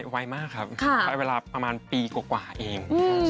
ไวมากครับประมาณปีกว่าเอง